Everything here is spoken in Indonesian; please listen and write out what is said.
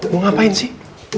mau ngapain sih